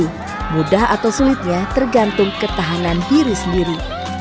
tapi untuk mencapai kompetisi mudah atau sulitnya tergantung ketahanan diri sendiri